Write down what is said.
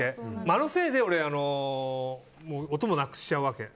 あのせいで音もなくしちゃうわけ。